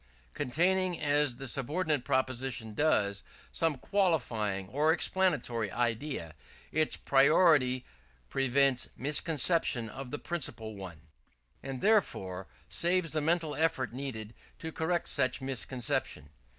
Containing, as the subordinate proposition does, some qualifying or explanatory idea, its priority prevents misconception of the principal one; and therefore saves the mental effort needed to correct such misconception.